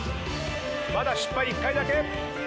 まだ失敗１回だけ。